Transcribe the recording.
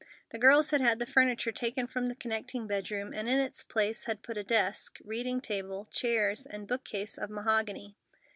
The girls had had the furniture taken from the connecting bedroom, and in its place had put a desk, reading table, chairs, and bookcase of mahogany.